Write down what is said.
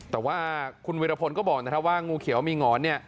แต่ว่าคุณวิรพลก็บอกว่างูเขียวมีหงอน